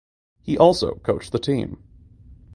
He also coached the team.